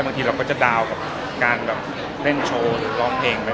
บางทีเราก็จะดาวน์กับการแบบเล่นโชว์หรือร้องเพลงไหม